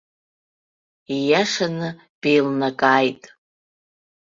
Ииашаны беилнакааит.